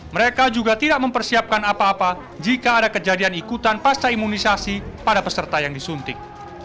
mereka juga tidak mempersiapkan apa apa jika ada kejadian ikutan pasca imunisasi pada peserta yang disuntik